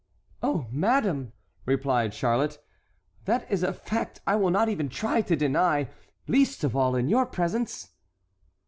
"Oh, madame," replied Charlotte, "that is a fact I will not even try to deny—least of all in your presence."